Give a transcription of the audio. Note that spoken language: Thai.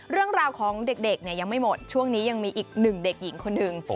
เรื่องราวของเด็กเนี่ยยังไม่หมดช่วงนี้ยังมีอีกหนึ่งเด็กหญิงคนหนึ่ง